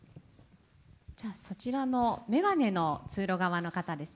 そちらの眼鏡の通路側の方ですね。